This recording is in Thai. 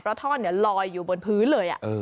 เพราะท่อนลอยอยู่บนพื้นเลย